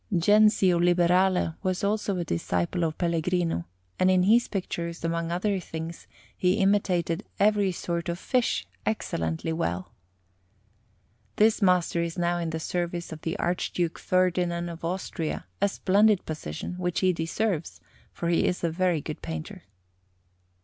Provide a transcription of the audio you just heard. Gensio Liberale was also a disciple of Pellegrino, and in his pictures, among other things, he imitated every sort of fish excellently well. This master is now in the service of the Archduke Ferdinand of Austria, a splendid position, which he deserves, for he is a very good painter.